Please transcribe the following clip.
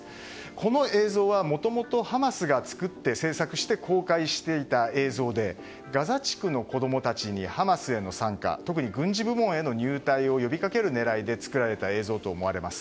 この映像は、もともともともとハマスが作成して公開していた映像でガザ地区の子供たちにハマスへの参加特に軍事部門での入隊を呼びかけるために作られた映像だと思われます。